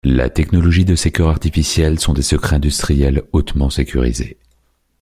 La technologie de ces cœurs artificiels sont des secrets industriels hautement sécurisés.